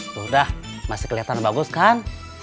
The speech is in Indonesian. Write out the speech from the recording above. tuh udah masih kelihatan bagus kan